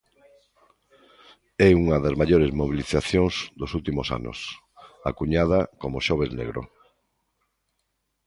É unha das maiores mobilizacións dos últimos anos, acuñada como xoves negro.